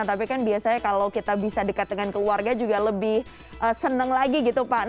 tapi kan biasanya kalau kita bisa dekat dengan keluarga juga lebih senang lagi gitu pak